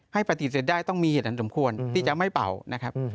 ให้ปฏิเสธได้ต้องมีเหตุอันสมควรที่จะไม่เป่านะครับ